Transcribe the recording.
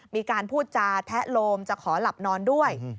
มีการพูดจาแทะโลมจะขอหลับนอนด้วย